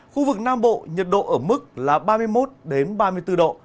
khu vực nam bộ nhiệt độ ở mức là ba mươi một ba mươi bốn độ